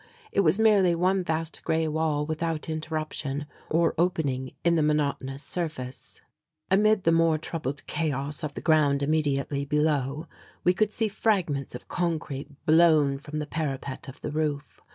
It was merely one vast grey wall without interruption or opening in the monotonous surface. Amid the more troubled chaos of the ground immediately below we could see fragments of concrete blown from the parapet of the roof.